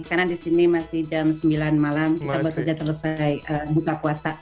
karena di sini masih jam sembilan malam kita baru saja selesai buka puasa